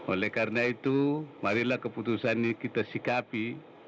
oleh karena itu marilah keputusan ini kita sikapi